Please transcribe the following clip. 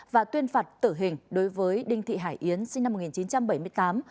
và tuyên phạt tử hình đối với đinh thị hải yến sinh năm một nghìn chín trăm bảy mươi tám